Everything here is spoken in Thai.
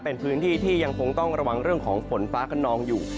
เป็นพื้นที่ที่ยังคงต้องระวังเรื่องของฝนฟ้ากระนองอยู่